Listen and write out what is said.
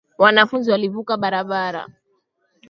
Wanafunzi walivuka barabara